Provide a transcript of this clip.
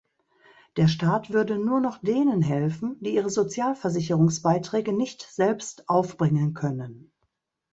Der Staat würde nur noch denen helfen, die ihre Sozialversicherungsbeiträge nicht selbst aufbringen können.